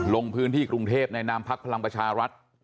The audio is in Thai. ลงพื้นที่กรุงเทพในนามพักพลังประชารัฐ